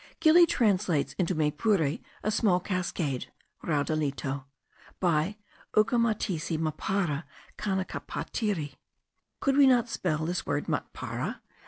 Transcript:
Gili translates into Maypure a small cascade (raudalito) by uccamatisi mapara canacapatirri. Should we not spell this word matpara?